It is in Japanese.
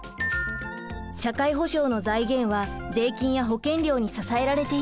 社会保障の財源は税金や保険料に支えられています。